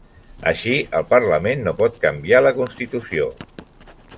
Així, el Parlament no pot canviar la Constitució.